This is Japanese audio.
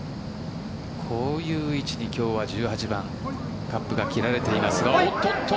こういう位置に今日は１８番カップが切られています。